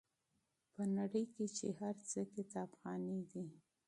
په دنیا کي چي هر څه کتابخانې دي